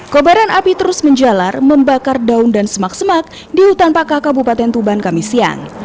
kobaran api terus menjalar membakar daun dan semak semak di hutan pakah kabupaten tuban kami siang